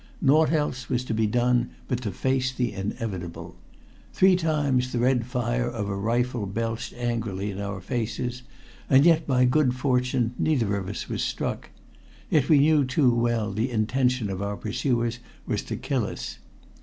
Nought else was to be done but to face the inevitable. Three times the red fire of a rifle belched angrily in our faces, and yet, by good fortune, neither of us was struck. Yet we knew too well that the intention of our pursuers was to kill us.